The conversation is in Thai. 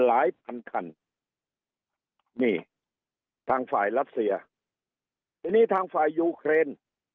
นวลหลายพันคันนี่ทางฝ่ายรัสเซียอันนี้ทางฝ่ายยูเครน